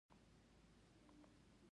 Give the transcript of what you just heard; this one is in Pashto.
څنګه په سیپۍ کې سپوږمۍ